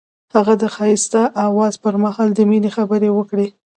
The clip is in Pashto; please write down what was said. هغه د ښایسته اواز پر مهال د مینې خبرې وکړې.